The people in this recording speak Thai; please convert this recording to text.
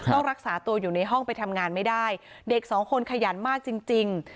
ต้องรักษาตัวอยู่ในห้องไปทำงานไม่ได้เด็กสองคนขยันมากจริง